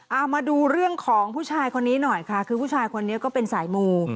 เอามาดูเรื่องของผู้ชายคนนี้หน่อยค่ะคือผู้ชายคนนี้ก็เป็นสายมู